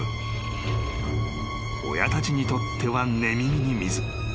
［親たちにとっては寝耳に水］